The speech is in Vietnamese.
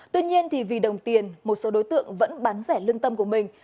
tuy nhiên vì đồng tiền một số đối tượng vẫn bán rẻ lương tâm của mình